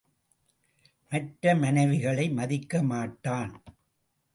மற்ற மனைவிகளை மதிக்க மாட்டான்.